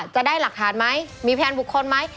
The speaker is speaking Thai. จะได้หลักฐานไหมมีพยานบุคคลไหม